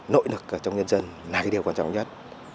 nội lực trong dân dân là điều quan trọng nhất